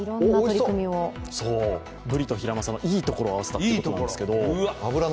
ブリとヒラマサのいいところを合わせたということなんですけども。